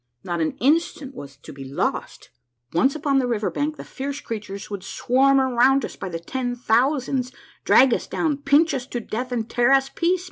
Not an instant was to be lost I Once upon the river bank, the fierce creatures would swarm around us by the tens of thousands, drag us down, pinch us to death, and tear us piecemeal